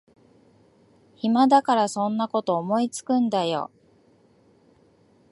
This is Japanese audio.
暇だからそんなこと思いつくんだよ